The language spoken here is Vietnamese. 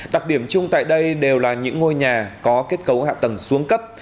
đặc điểm chung tại đây đều là những ngôi nhà có kết cấu hạ tầng xuống cấp